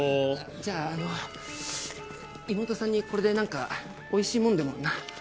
じゃああの妹さんにこれで何か美味しいものでもな？